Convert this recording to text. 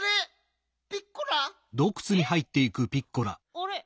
あれ？